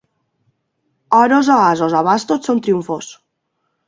Oros o asos, o bastos són trumfos.